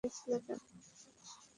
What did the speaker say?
পুলিশের কাছে গিয়েছিলে কেন?